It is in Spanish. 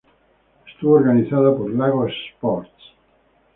Estuvo organizada por Lagos Sports.